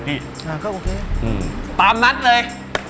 ผมคิดว่า๔๘ดิ